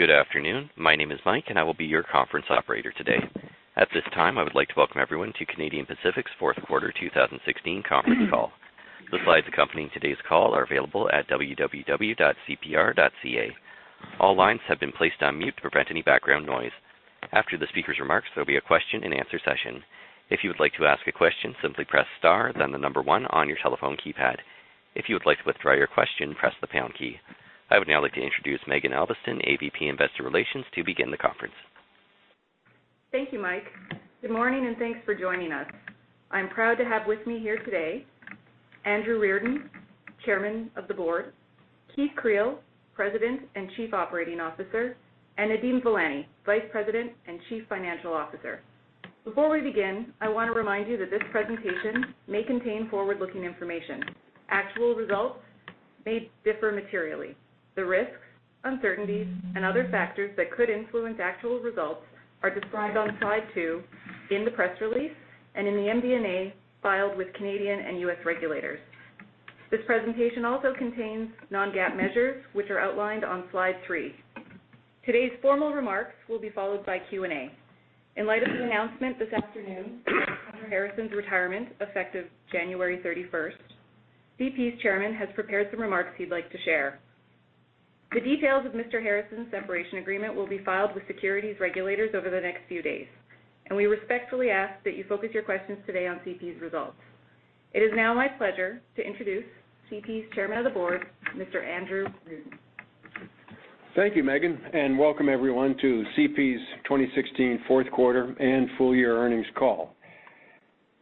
Good afternoon. My name is Mike, and I will be your conference operator today. At this time, I would like to welcome everyone to Canadian Pacific's fourth quarter 2016 conference call. The slides accompanying today's call are available at www.cpr.ca. All lines have been placed on mute to prevent any background noise. After the speaker's remarks, there will be a question-and-answer session. If you would like to ask a question, simply press star, then the number one on your telephone keypad. If you would like to withdraw your question, press the pound key. I would now like to introduce Maeghan Albiston, AVP Investor Relations, to begin the conference. Thank you, Mike. Good morning, and thanks for joining us. I'm proud to have with me here today Andrew Reardon, Chairman of the Board, Keith Creel, President and Chief Operating Officer, and Nadeem Velani, Vice President and Chief Financial Officer. Before we begin, I want to remind you that this presentation may contain forward-looking information. Actual results may differ materially. The risks, uncertainties, and other factors that could influence actual results are described on slide 2 in the press release and in the MD&A filed with Canadian and U.S. regulators. This presentation also contains non-GAAP measures, which are outlined on slide three. Today's formal remarks will be followed by Q&A. In light of the announcement this afternoon of Mr. Harrison's retirement effective January 31st, CP's Chairman has prepared some remarks he'd like to share. The details of Mr.Harrison's separation agreement will be filed with securities regulators over the next few days, and we respectfully ask that you focus your questions today on CP's results. It is now my pleasure to introduce CP's Chairman of the Board, Mr. Andrew Reardon. Thank you, Maeghan, and welcome everyone to CP's 2016 fourth quarter and full-year earnings call.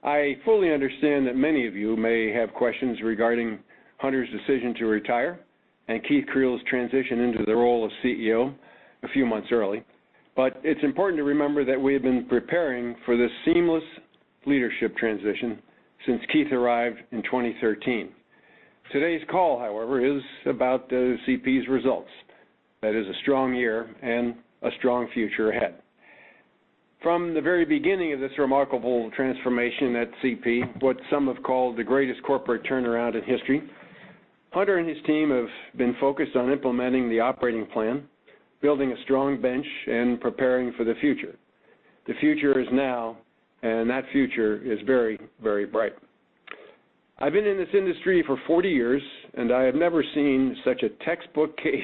I fully understand that many of you may have questions regarding Hunter's decision to retire and Keith Creel's transition into the role of CEO a few months early, but it's important to remember that we have been preparing for this seamless leadership transition since Keith arrived in 2013. Today's call, however, is about CP's results. That is a strong year and a strong future ahead. From the very beginning of this remarkable transformation at CP, what some have called the greatest corporate turnaround in history, Hunter and his team have been focused on implementing the operating plan, building a strong bench, and preparing for the future. The future is now, and that future is very, very bright. I've been in this industry for 40 years, and I have never seen such a textbook case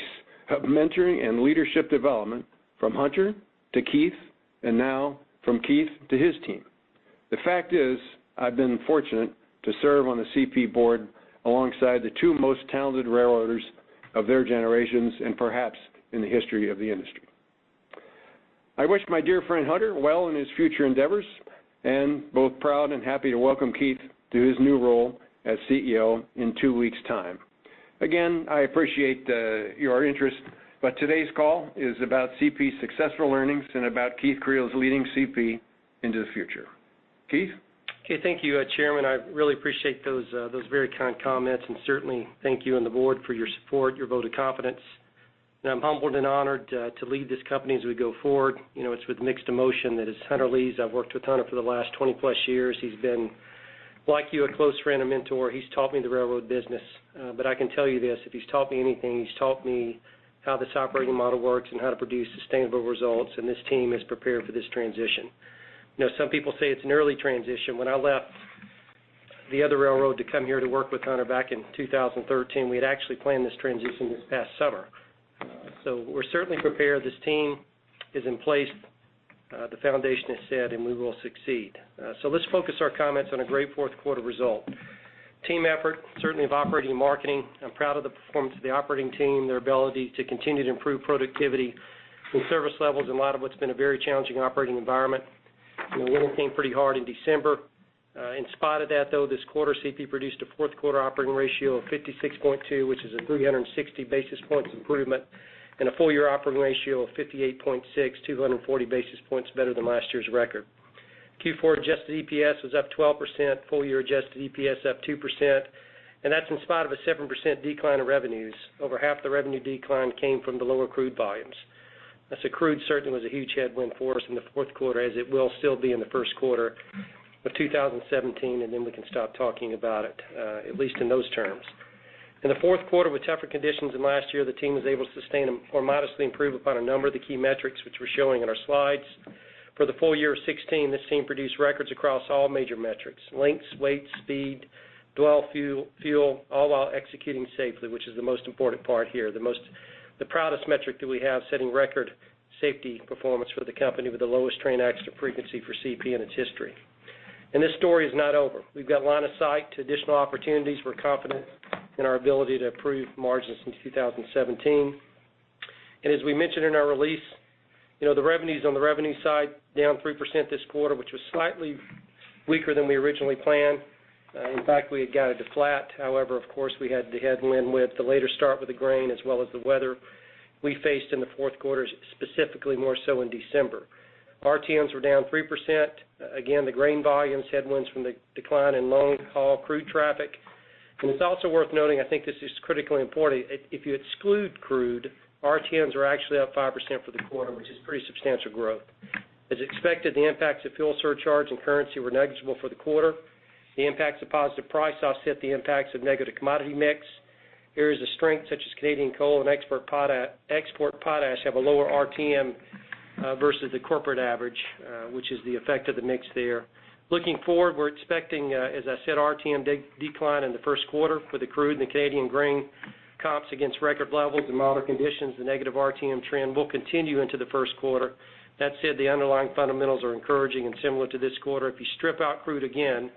of mentoring and leadership development from Hunter to Keith, and now from Keith to his team. The fact is, I've been fortunate to serve on the CP board alongside the two most talented railroaders of their generations and perhaps in the history of the industry. I wish my dear friend Hunter well in his future endeavors, and both proud and happy to welcome Keith to his new role as CEO in two weeks' time. Again, I appreciate your interest, but today's call is about CP's successful earnings and about Keith Creel's leading CP into the future. Keith? Okay, thank you, Chairman. I really appreciate those very kind comments, and certainly thank you and the board for your support, your vote of confidence. I'm humbled and honored to lead this company as we go forward. It's with mixed emotions that it's Hunter's leaving. I've worked with Hunter for the last 20+ years. He's been, like you, a close friend and mentor. He's taught me the railroad business. But I can tell you this: if he's taught me anything, he's taught me how this operating model works and how to produce sustainable results, and this team is prepared for this transition. Some people say it's an early transition. When I left the other railroad to come here to work with Hunter back in 2013, we had actually planned this transition this past summer. We're certainly prepared. This team is in place. The foundation is set, and we will succeed. Let's focus our comments on a great fourth quarter result. Team effort, certainly of operating and marketing. I'm proud of the performance of the operating team, their ability to continue to improve productivity and service levels in light of what's been a very challenging operating environment. The wind came pretty hard in December. In spite of that, though, this quarter CP produced a fourth quarter operating ratio of 56.2, which is a 360 basis points improvement, and a full-year operating ratio of 58.6, 240 basis points better than last year's record. Q4 adjusted EPS was up 12%, full-year adjusted EPS up 2%, and that's in spite of a 7% decline in revenues. Over half the revenue decline came from the lower crude volumes. Crude certainly was a huge headwind for us in the fourth quarter, as it will still be in the first quarter of 2017, and then we can stop talking about it, at least in those terms. In the fourth quarter, with tougher conditions than last year, the team was able to sustain or modestly improve upon a number of the key metrics which we're showing in our slides. For the full year of 2016, this team produced records across all major metrics: lengths, weights, speed, dwell fuel, all while executing safely, which is the most important part here, the proudest metric that we have, setting record safety performance for the company with the lowest train accident frequency for CP in its history. This story is not over. We've got line of sight to additional opportunities. We're confident in our ability to improve margins in 2017. As we mentioned in our release, the revenues on the revenue side down 3% this quarter, which was slightly weaker than we originally planned. In fact, we had got it to flat. However, of course, we had the headwind with the later start with the grain as well as the weather we faced in the fourth quarter, specifically more so in December. RTMs were down 3%. Again, the grain volumes, headwinds from the decline in long-haul crude traffic. And it's also worth noting, I think this is critically important, if you exclude crude, RTMs are actually up 5% for the quarter, which is pretty substantial growth. As expected, the impacts of fuel surcharge and currency were negligible for the quarter. The impacts of positive price offset the impacts of negative commodity mix. Areas of strength such as Canadian coal and export potash have a lower RTM versus the corporate average, which is the effect of the mix there. Looking forward, we're expecting, as I said, RTM decline in the first quarter for the crude and the Canadian grain comps against record levels and moderate conditions. The negative RTM trend will continue into the first quarter. That said, the underlying fundamentals are encouraging and similar to this quarter. If you strip out crude again,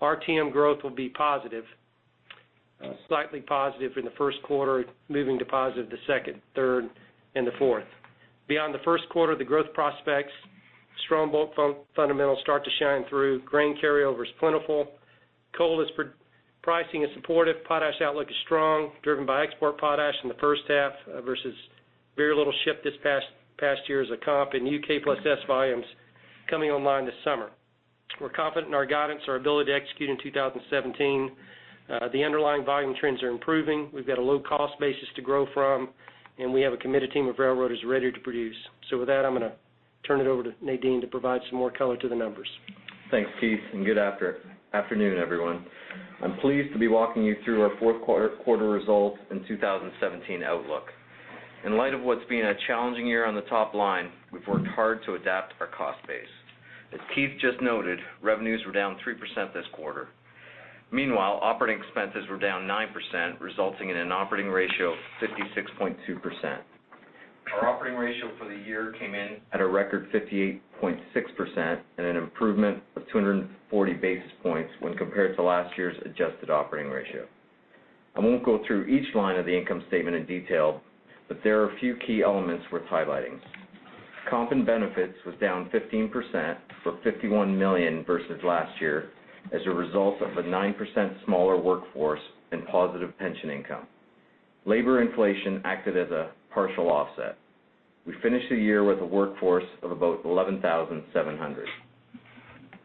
RTM growth will be positive, slightly positive in the first quarter, moving to positive the second, third, and the fourth. Beyond the first quarter, the growth prospects, strong bulk fundamentals start to shine through. Grain carryover is plentiful. Coal pricing is supportive. Potash outlook is strong, driven by export potash in the first half versus very little shipped this past year as a comp, and U.K.+S volumes coming online this summer. We're confident in our guidance, our ability to execute in 2017. The underlying volume trends are improving. We've got a low-cost basis to grow from, and we have a committed team of railroaders ready to produce. With that, I'm going to turn it over to Nadeem to provide some more color to the numbers. Thanks, Keith, and good afternoon, everyone. I'm pleased to be walking you through our fourth quarter results and 2017 outlook. In light of what's been a challenging year on the top line, we've worked hard to adapt our cost base. As Keith just noted, revenues were down 3% this quarter. Meanwhile, operating expenses were down 9%, resulting in an operating ratio of 56.2%. Our operating ratio for the year came in at a record 58.6% and an improvement of 240 basis points when compared to last year's adjusted operating ratio. I won't go through each line of the income statement in detail, but there are a few key elements worth highlighting. Comp and benefits was down 15% for $51 million versus last year as a result of a 9% smaller workforce and positive pension income. Labor inflation acted as a partial offset. We finished the year with a workforce of about 11,700.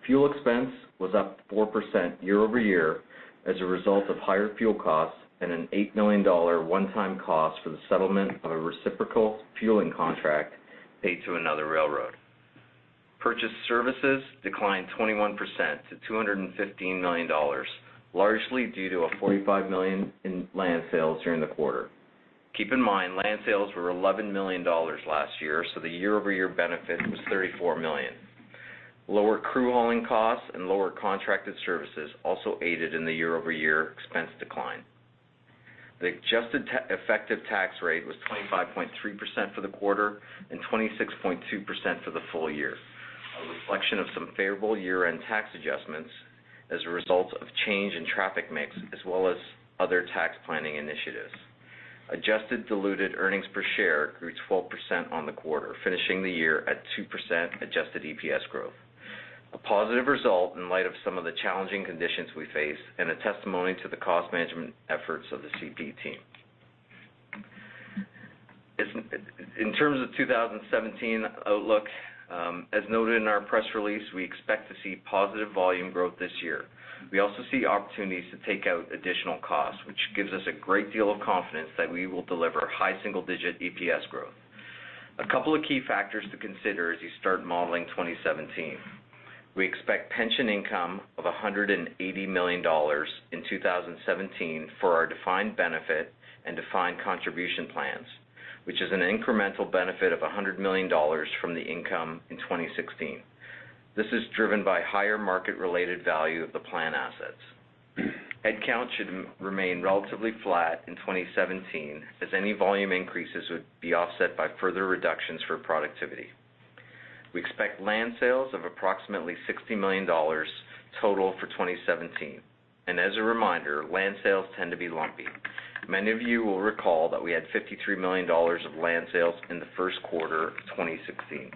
Fuel expense was up 4% year-over-year as a result of higher fuel costs and an $8 million one-time cost for the settlement of a reciprocal fueling contract paid to another railroad. Purchased services declined 21% to $215 million, largely due to a $45 million in land sales during the quarter. Keep in mind, land sales were $11 million last year, so the year-over-year benefit was $34 million. Lower crew hauling costs and lower contracted services also aided in the year-over-year expense decline. The adjusted effective tax rate was 25.3% for the quarter and 26.2% for the full year, a reflection of some favorable year-end tax adjustments as a result of change in traffic mix as well as other tax planning initiatives. Adjusted diluted earnings per share grew 12% on the quarter, finishing the year at 2% adjusted EPS growth. A positive result in light of some of the challenging conditions we faced and a testimony to the cost management efforts of the CP team. In terms of 2017 outlook, as noted in our press release, we expect to see positive volume growth this year. We also see opportunities to take out additional costs, which gives us a great deal of confidence that we will deliver high single-digit EPS growth. A couple of key factors to consider as you start modeling 2017. We expect pension income of $180 million in 2017 for our defined benefit and defined contribution plans, which is an incremental benefit of $100 million from the income in 2016. This is driven by higher market-related value of the plan assets. Headcount should remain relatively flat in 2017, as any volume increases would be offset by further reductions for productivity. We expect land sales of approximately $60 million total for 2017. As a reminder, land sales tend to be lumpy. Many of you will recall that we had $53 million of land sales in the first quarter of 2016.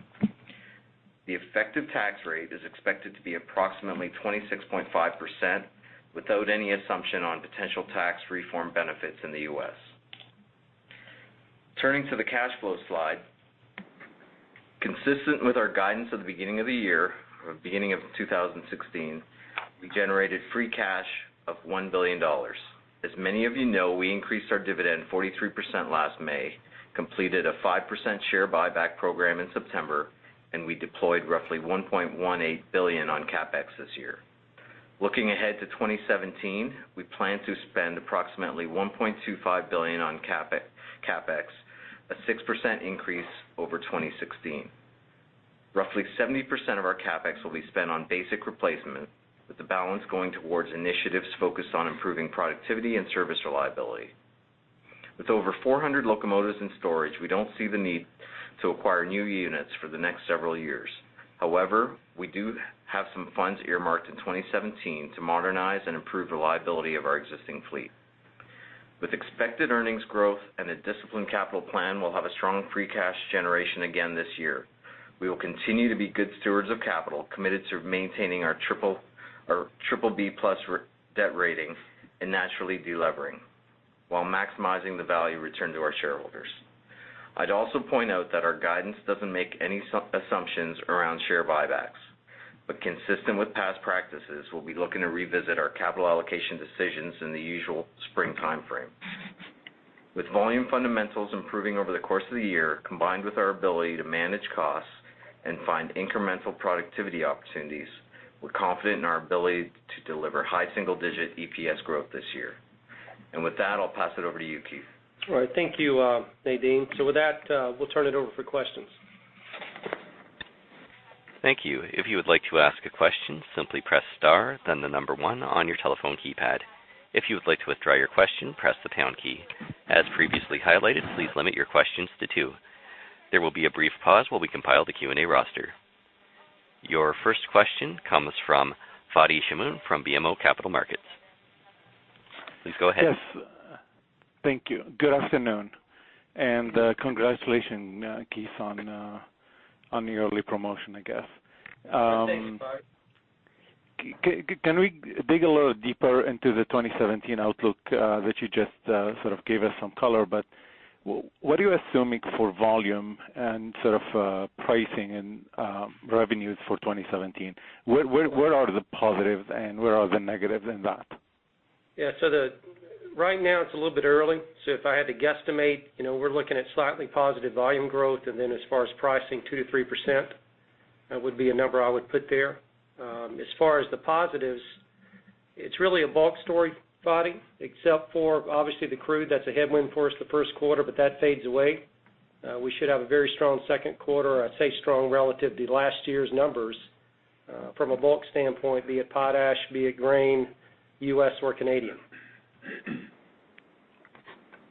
The effective tax rate is expected to be approximately 26.5% without any assumption on potential tax reform benefits in the U.S. Turning to the cash flow slide, consistent with our guidance at the beginning of the year, beginning of 2016, we generated free cash of $1 billion. As many of you know, we increased our dividend 43% last May, completed a 5% share buyback program in September, and we deployed roughly $1.18 billion on CapEx this year. Looking ahead to 2017, we plan to spend approximately $1.25 billion on CapEx, a 6% increase over 2016. Roughly 70% of our CapEx will be spent on basic replacement, with the balance going towards initiatives focused on improving productivity and service reliability. With over 400 locomotives in storage, we don't see the need to acquire new units for the next several years. However, we do have some funds earmarked in 2017 to modernize and improve reliability of our existing fleet. With expected earnings growth and a disciplined capital plan, we'll have a strong free cash generation again this year. We will continue to be good stewards of capital, committed to maintaining our triple B plus debt rating and naturally delevering, while maximizing the value returned to our shareholders. I'd also point out that our guidance doesn't make any assumptions around share buybacks, but consistent with past practices, we'll be looking to revisit our capital allocation decisions in the usual spring time frame. With volume fundamentals improving over the course of the year, combined with our ability to manage costs and find incremental productivity opportunities, we're confident in our ability to deliver high single-digit EPS growth this year. With that, I'll pass it over to you, Keith. All right. Thank you, Nadeem. With that, we'll turn it over for questions. Thank you. If you would like to ask a question, simply press star, then the number one, on your telephone keypad. If you would like to withdraw your question, press the pound key. As previously highlighted, please limit your questions to two. There will be a brief pause while we compile the Q&A roster. Your first question comes from Fadi Chamoun from BMO Capital Markets. Please go ahead. Yes. Thank you. Good afternoon. And congratulations, Keith, on your early promotion, I guess. Can we dig a little deeper into the 2017 outlook that you just sort of gave us some color? But what are you assuming for volume and sort of pricing and revenues for 2017? Where are the positives, and where are the negatives in that? Yeah. Right now, it's a little bit early. So if I had to guesstimate, we're looking at slightly positive volume growth, and then as far as pricing, 2%-3% would be a number I would put there. As far as the positives, it's really a bulk story, Fadi, except for, obviously, the crude. That's a headwind for us the first quarter, but that fades away. We should have a very strong second quarter, I'd say strong relative to last year's numbers from a bulk standpoint, be it potash, be it grain, U.S. or Canadian.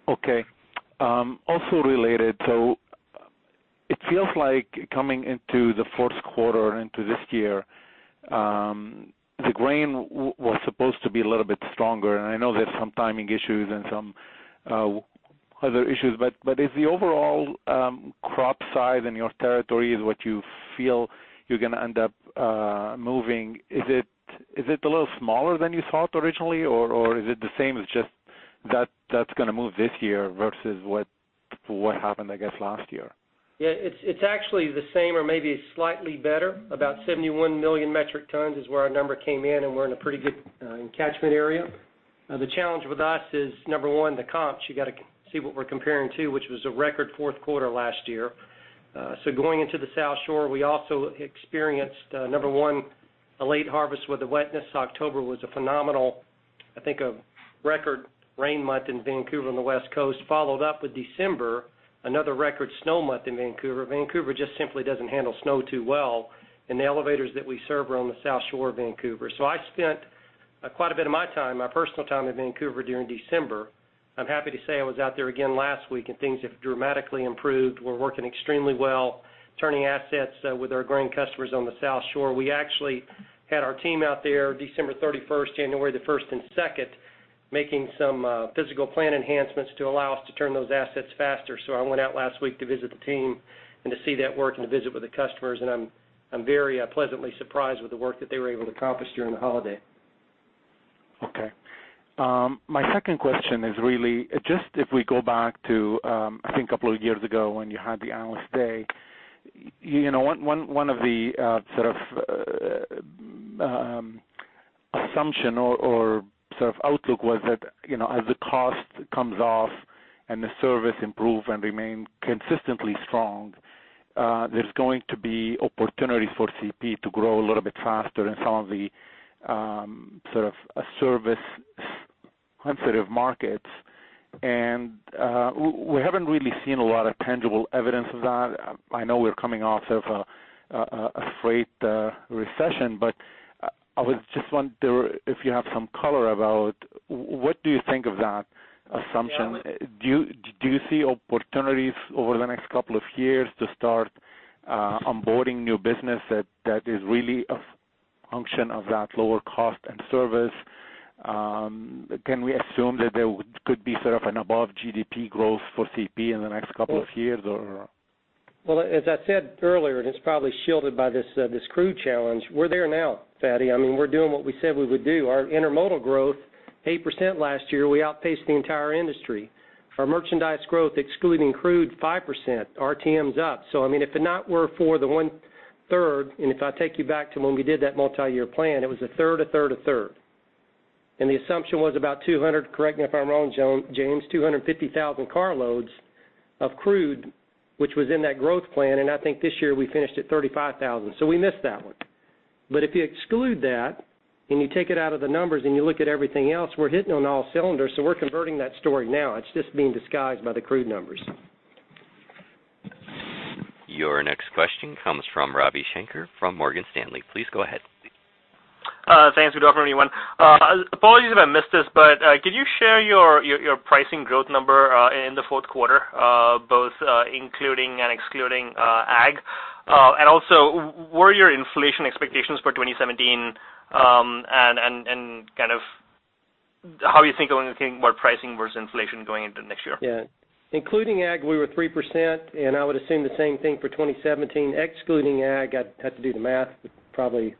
Okay. Also related, it feels like coming into the fourth quarter and into this year, the grain was supposed to be a little bit stronger, and I know there's some timing issues and some other issues. But is the overall crop size in your territory what you feel you're going to end up moving? Is it a little smaller than you thought originally, or is it the same? It's just that's going to move this year versus what happened, I guess, last year? Yeah. It's actually the same or maybe slightly better. About 71 million metric tons is where our number came in, and we're in a pretty good catchment area. The challenge with us is, number one, the comps. You got to see what we're comparing to, which was a record fourth quarter last year. So going into the South Shore, we also experienced, number one, a late harvest with the wetness. October was a phenomenal, I think, a record rain month in Vancouver on the West Coast, followed up with December, another record snow month in Vancouver. Vancouver just simply doesn't handle snow too well in the elevators that we serve around the South Shore of Vancouver. So I spent quite a bit of my time, my personal time in Vancouver during December. I'm happy to say I was out there again last week, and things have dramatically improved. We're working extremely well, turning assets with our grain customers on the South Shore. We actually had our team out there December 31st, January 1st, and 2nd, making some physical plant enhancements to allow us to turn those assets faster. So I went out last week to visit the team and to see that work and to visit with the customers, and I'm very pleasantly surprised with the work that they were able to accomplish during the holiday. Okay. My second question is really just if we go back to, I think, a couple of years ago when you had the analyst day, one of the sort of assumptions or sort of outlook was that as the cost comes off and the service improves and remains consistently strong, there's going to be opportunities for CP to grow a little bit faster in some of the sort of service-sensitive markets. We haven't really seen a lot of tangible evidence of that. I know we're coming off of a freight recession, but I just wonder if you have some color about what do you think of that assumption? Do you see opportunities over the next couple of years to start onboarding new business that is really a function of that lower cost and service? Can we assume that there could be sort of an above-GDP growth for CP in the next couple of years, or? Well, as I said earlier, and it's probably shielded by this crude challenge, we're there now, Fadi. I mean, we're doing what we said we would do. Our intermodal growth, 8% last year, we outpaced the entire industry. Our merchandise growth, excluding crude, 5%. RTM's up. I mean, if it not were for the one-third, and if I take you back to when we did that multi-year plan, it was a third, a third, a third. And the assumption was about 200, correct me if I'm wrong, James, 250,000 car loads of crude, which was in that growth plan, and I think this year we finished at 35,000. So we missed that one. But if you exclude that and you take it out of the numbers and you look at everything else, we're hitting on all cylinders, so we're converting that story now. It's just being disguised by the crude numbers. Your next question comes from Ravi Shanker from Morgan Stanley. Please go ahead. Thanks. Good afternoon, everyone. Apologies if I missed this, but could you share your pricing growth number in the fourth quarter, both including and excluding ag? And also, what were your inflation expectations for 2017 and kind of how are you thinking about pricing versus inflation going into next year? Yeah. Including ag, we were 3%, and I would assume the same thing for 2017. Excluding ag, I'd have to do the math. It's probably.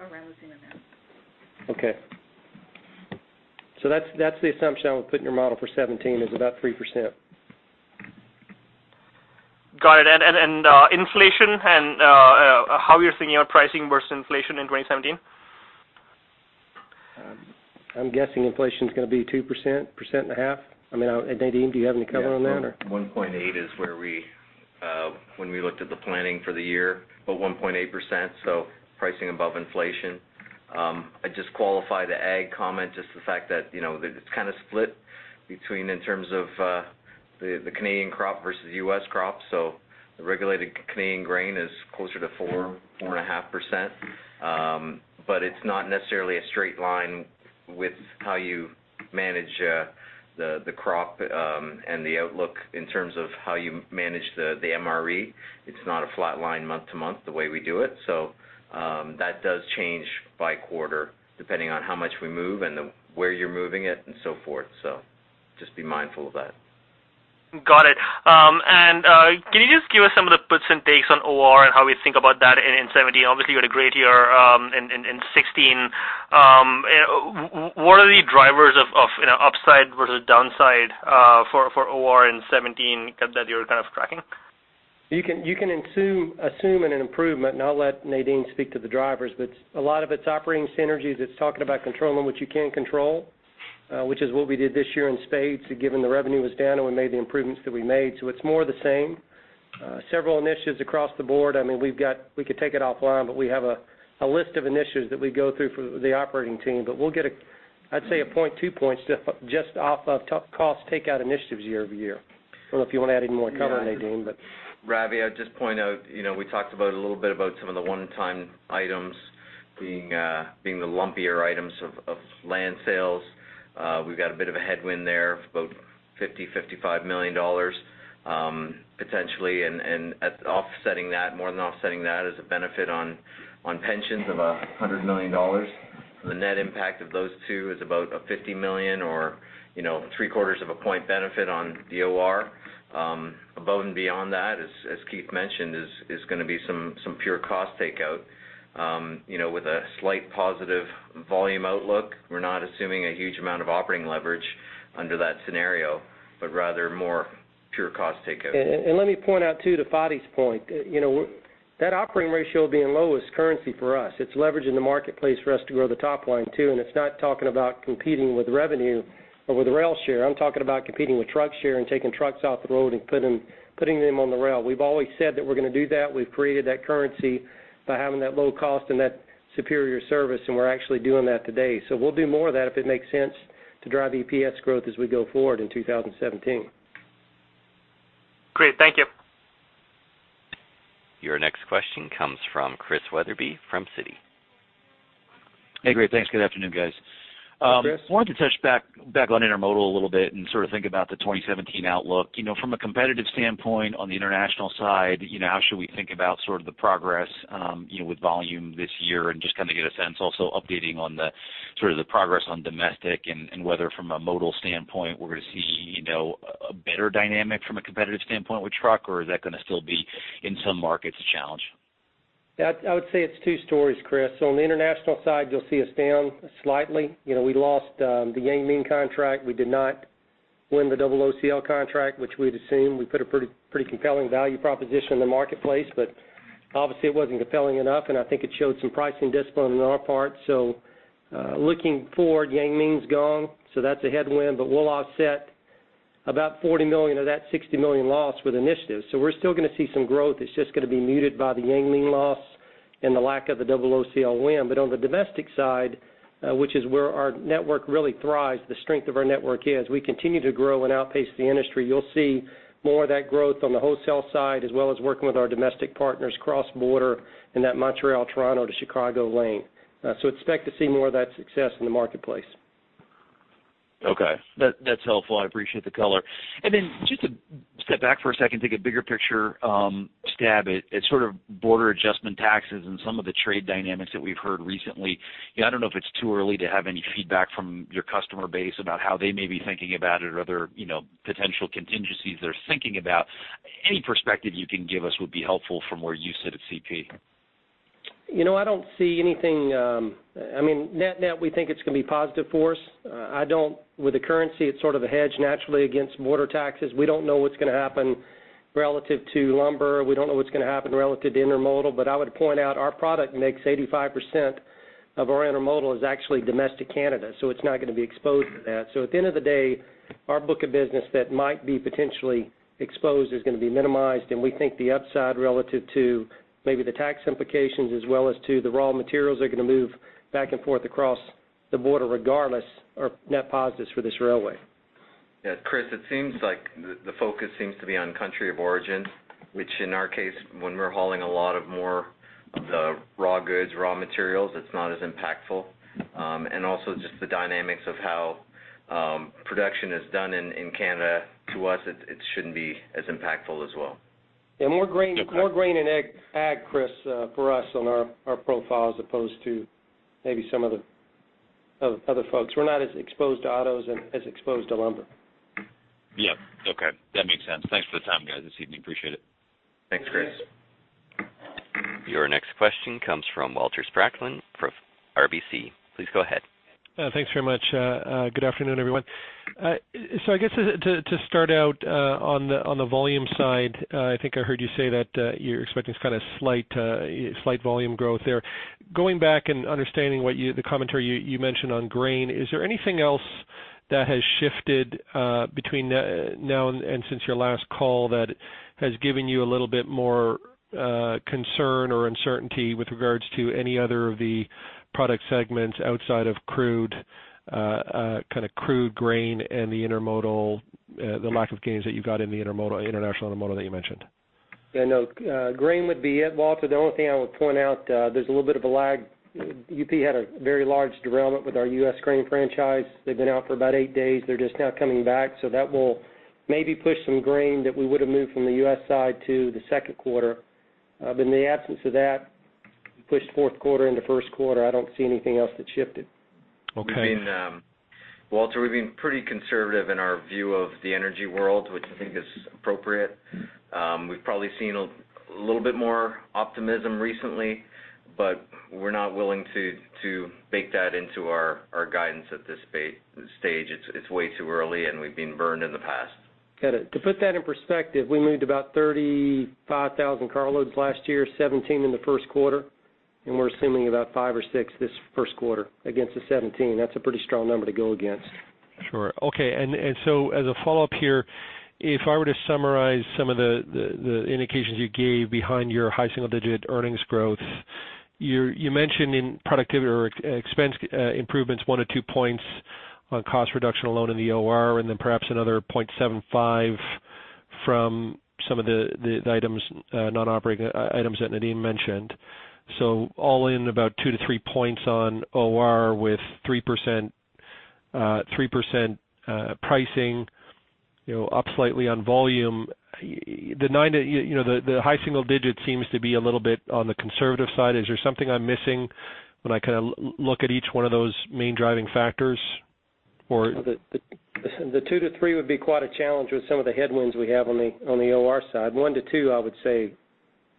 Around the same amount. Okay. That's the assumption I would put in your model for 2017 is about 3%. Got it. And inflation and how are you seeing your pricing versus inflation in 2017? I'm guessing inflation's going to be 2% and a half? I mean, Nadeem, do you have any color on that, or? Yeah. 1.8 is where we looked at the planning for the year. But 1.8%, so pricing above inflation. I'd just qualify the ag comment, just the fact that it's kind of split between in terms of the Canadian crop versus U.S. crop. So the regulated Canadian grain is closer to 4%-4.5%. But it's not necessarily a straight line with how you manage the crop and the outlook in terms of how you manage the MRE. It's not a flat line month to month the way we do it. So that does change by quarter depending on how much we move and where you're moving it and so forth. So just be mindful of that. Got it. Can you just give us some of the puts and takes on OR and how we think about that in 2017? Obviously, you had a great year in 2016. What are the drivers of upside versus downside for OR in 2017 that you're kind of tracking? You can assume an improvement. I'll let Nadeem speak to the drivers. A lot of it's operating synergies. It's talking about controlling what you can control, which is what we did this year in spades, given the revenue was down and we made the improvements that we made. It's more the same. Several initiatives across the board. I mean, we could take it offline, but we have a list of initiatives that we go through for the operating team. We'll get, I'd say, a 0.2 points just off of cost takeout initiatives year-over-year. I don't know if you want to add any more cover, Nadeem, but. Ravi, I'd just point out we talked a little bit about some of the one-time items being the lumpier items of land sales. We've got a bit of a headwind there, about $50,000-$55,000 potentially. More than offsetting that is a benefit on pensions of $100 million. The net impact of those two is about a $50 million or three-quarters of a point benefit on the OR. Above and beyond that, as Keith mentioned, is going to be some pure cost takeout with a slight positive volume outlook. We're not assuming a huge amount of operating leverage under that scenario, but rather more pure cost takeout. Let me point out, too, to Fadi's point, that operating ratio being low is currency for us. It's leveraging the marketplace for us to grow the top line, too. It's not talking about competing with revenue or with rail share. I'm talking about competing with truck share and taking trucks off the road and putting them on the rail. We've always said that we're going to do that. We've created that currency by having that low cost and that superior service, and we're actually doing that today. We'll do more of that if it makes sense to drive EPS growth as we go forward in 2017. Great. Thank you. Your next question comes from Chris Wetherbee from Citi. Hey, great. Thanks. Good afternoon, guys. I wanted to touch back on intermodal a little bit and sort of think about the 2017 outlook. From a competitive standpoint on the international side, how should we think about sort of the progress with volume this year and just kind of get a sense, also updating on sort of the progress on domestic and whether from a modal standpoint, we're going to see a better dynamic from a competitive standpoint with truck, or is that going to still be, in some markets, a challenge? Yeah. I would say it's two stories, Chris. So on the international side, you'll see us down slightly. We lost the Yang Ming contract. We did not win the OOCL contract, which we'd assumed. We put a pretty compelling value proposition in the marketplace, but obviously, it wasn't compelling enough, and I think it showed some pricing discipline on our part. So looking forward, Yang Ming's gone, so that's a headwind. But we'll offset about 40 million of that 60 million loss with initiatives. So we're still going to see some growth. It's just going to be muted by the Yang Ming loss and the lack of the OOCL win. But on the domestic side, which is where our network really thrives, the strength of our network is, we continue to grow and outpace the industry. You'll see more of that growth on the wholesale side as well as working with our domestic partners cross-border in that Montreal, Toronto, to Chicago lane. So expect to see more of that success in the marketplace. Okay. That's helpful. I appreciate the color. And then just to step back for a second, take a bigger picture stab at sort of border adjustment taxes and some of the trade dynamics that we've heard recently. I don't know if it's too early to have any feedback from your customer base about how they may be thinking about it or other potential contingencies they're thinking about. Any perspective you can give us would be helpful from where you sit at CP. I don't see anything, I mean, net-net, we think it's going to be positive for us. With the currency, it's sort of a hedge naturally against border taxes. We don't know what's going to happen relative to lumber. We don't know what's going to happen relative to intermodal. But I would point out our product makes 85% of our intermodal is actually domestic Canada, so it's not going to be exposed to that. So at the end of the day, our book of business that might be potentially exposed is going to be minimized, and we think the upside relative to maybe the tax implications as well as to the raw materials that are going to move back and forth across the border regardless are net positives for this railway. Yeah. Chris, it seems like the focus seems to be on country of origin, which in our case, when we're hauling a lot of more of the raw goods, raw materials, it's not as impactful. And also just the dynamics of how production is done in Canada, to us, it shouldn't be as impactful as well. Yeah. More grain and ag, Chris, for us on our profile as opposed to maybe some of the other folks. We're not as exposed to autos as exposed to lumber. Yep. Okay. That makes sense. Thanks for the time, guys, this evening. Appreciate it. Thanks, Chris. Your next question comes from Walter Spracklin for RBC. Please go ahead. Thanks very much. Good afternoon, everyone. I guess to start out on the volume side, I think I heard you say that you're expecting kind of slight volume growth there. Going back and understanding the commentary you mentioned on grain, is there anything else that has shifted between now and since your last call that has given you a little bit more concern or uncertainty with regards to any other of the product segments outside of crude, kind of crude grain and the intermodal, the lack of gains that you've got in the international intermodal that you mentioned? Yeah. No. Grain would be it, Walter. The only thing I would point out, there's a little bit of a lag. UP had a very large derailment with our U.S. grain franchise. They've been out for about 8 days. They're just now coming back. So that will maybe push some grain that we would have moved from the U.S. side to the second quarter. But in the absence of that, pushed fourth quarter into first quarter, I don't see anything else that shifted. Walter, we've been pretty conservative in our view of the energy world, which I think is appropriate. We've probably seen a little bit more optimism recently, but we're not willing to bake that into our guidance at this stage. It's way too early, and we've been burned in the past. Got it. To put that in perspective, we moved about 35,000 car loads last year, 17 in the first quarter, and we're assuming about 5 or 6 this first quarter against the 17. That's a pretty strong number to go against. Sure. Okay. And so as a follow-up here, if I were to summarize some of the indications you gave behind your high single-digit earnings growth, you mentioned in productivity or expense improvements 1-2 points on cost reduction alone in the OR and then perhaps another 0.75 from some of the items that Nadeem mentioned. So all in about 2-3 points on OR with 3% pricing, up slightly on volume. The high single digit seems to be a little bit on the conservative side. Is there something I'm missing when I kind of look at each one of those main driving factors, or? The 2-3 would be quite a challenge with some of the headwinds we have on the OR side. 1-2, I would say,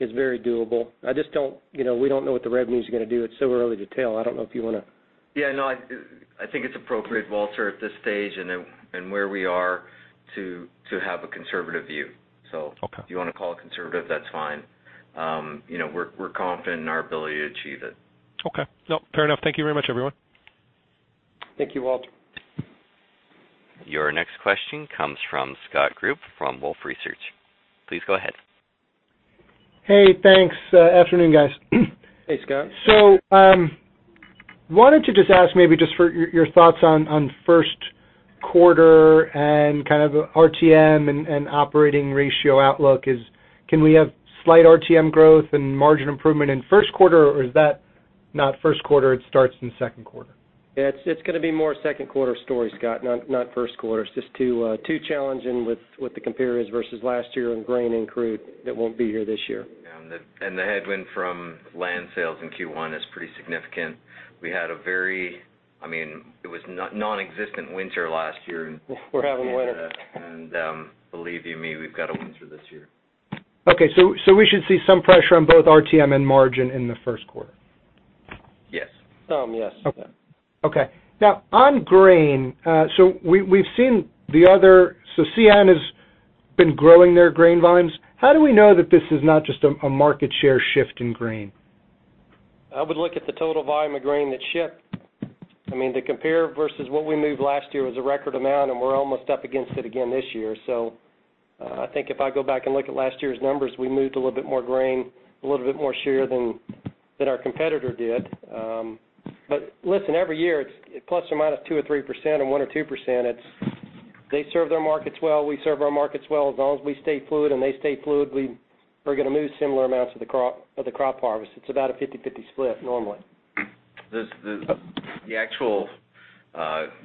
is very doable. We don't know what the revenue's going to do. It's so early to tell. I don't know if you want to. Yeah. No. I think it's appropriate, Walter, at this stage and where we are to have a conservative view. So if you want to call it conservative, that's fine. We're confident in our ability to achieve it. Okay. No. Fair enough. Thank you very much, everyone. Thank you, Walter. Your next question comes from Scott Group from Wolfe Research. Please go ahead. Hey. Thanks. Afternoon, guys. Hey, Scott. So, wanted to just ask maybe just for your thoughts on first quarter and kind of RTM and operating ratio outlook. Can we have slight RTM growth and margin improvement in first quarter, or is that not first quarter? It starts in second quarter. Yeah. It's going to be more second quarter story, Scott, not first quarter. It's just too challenging with the comparisons versus last year on grain and crude that won't be here this year. Yeah. And the headwind from land sales in Q1 is pretty significant. We had a very, I mean, it was nonexistent winter last year. We're having winter. Yeah. And believe you me, we've got a winter this year. Okay. So we should see some pressure on both RTM and margin in the first quarter. Yes. Yes. Yeah. Okay. Now, on grain, so we've seen the other, so CN has been growing their grain volumes. How do we know that this is not just a market share shift in grain? I would look at the total volume of grain that shipped. I mean, to compare versus what we moved last year was a record amount, and we're almost up against it again this year. So I think if I go back and look at last year's numbers, we moved a little bit more grain, a little bit more share than our competitor did. But listen, every year, it's plus or minus 2% or 3% or 1% or 2%. They serve their markets well. We serve our markets well. As long as we stay fluid and they stay fluid, we're going to move similar amounts of the crop harvest. It's about a 50/50 split normally. The actual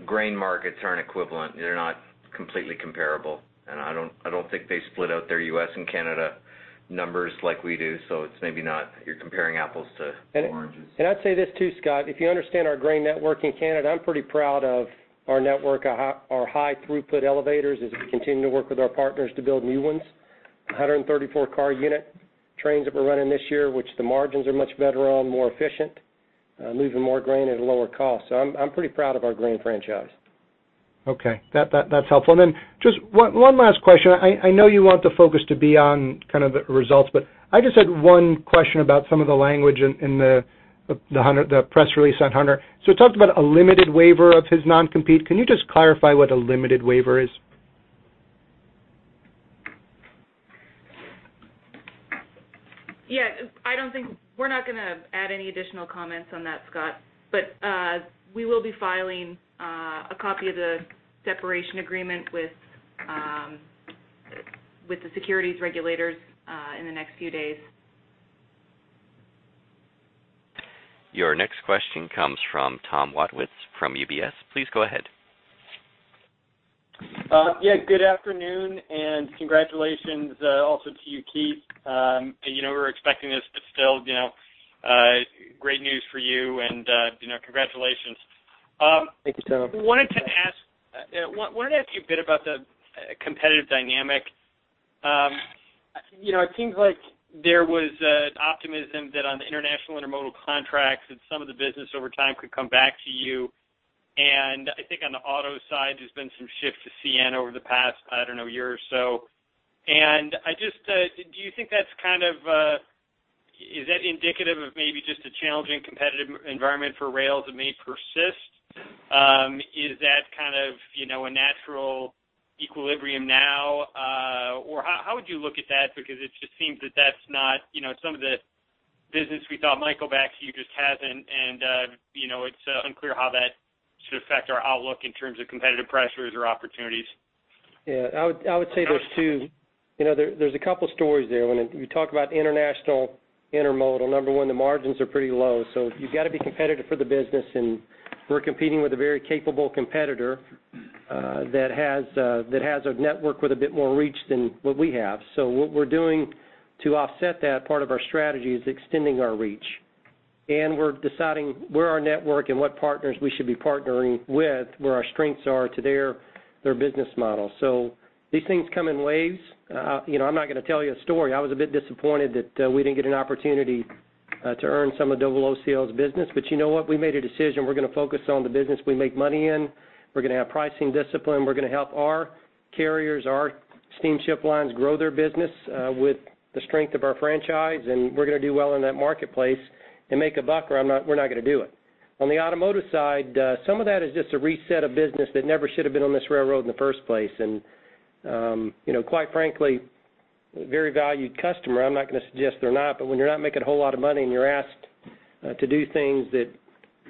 grain markets aren't equivalent. They're not completely comparable. I don't think they split out their U.S. and Canada numbers like we do, so it's maybe not, you're comparing apples to oranges. I'd say this too, Scott. If you understand our grain network in Canada, I'm pretty proud of our high throughput elevators as we continue to work with our partners to build new ones, 134-car unit trains that we're running this year, which the margins are much better on, more efficient, moving more grain at a lower cost. I'm pretty proud of our grain franchise. Okay. That's helpful. And then just one last question. I know you want the focus to be on kind of the results, but I just had one question about some of the language in the press release on Hunter. So it talked about a limited waiver of his non-compete. Can you just clarify what a limited waiver is? Yeah. We're not going to add any additional comments on that, Scott. We will be filing a copy of the separation agreement with the securities regulators in the next few days. Your next question comes from Tom Wadewitz from UBS. Please go ahead. Yeah. Good afternoon and congratulations also to you, Keith. We're expecting this, but still great news for you, and congratulations. Thank you, Tom. I wanted to ask you a bit about the competitive dynamic. It seems like there was optimism that on the international intermodal contracts, that some of the business over time could come back to you. And I think on the auto side, there's been some shift to CN over the past, I don't know, year or so. And do you think that's kind of indicative of maybe just a challenging competitive environment for rails that may persist? Is that kind of a natural equilibrium now, or how would you look at that? Because it just seems that that's not some of the business we thought might go back to you just hasn't, and it's unclear how that should affect our outlook in terms of competitive pressures or opportunities. Yeah. I would say there's a couple of stories there. When you talk about international intermodal, number one, the margins are pretty low. So you've got to be competitive for the business, and we're competing with a very capable competitor that has a network with a bit more reach than what we have. So what we're doing to offset that, part of our strategy is extending our reach. And we're deciding where our network and what partners we should be partnering with, where our strengths are to their business model. So these things come in waves. I'm not going to tell you a story. I was a bit disappointed that we didn't get an opportunity to earn some of OOCL's business. But you know what? We made a decision. We're going to focus on the business we make money in. We're going to have pricing discipline. We're going to help our carriers, our steamship lines, grow their business with the strength of our franchise. And we're going to do well in that marketplace and make a buck or we're not going to do it. On the automotive side, some of that is just a reset of business that never should have been on this railroad in the first place. And quite frankly, very valued customer, I'm not going to suggest they're not. But when you're not making a whole lot of money and you're asked to do things that